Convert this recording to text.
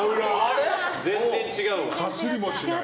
全然、違うわ。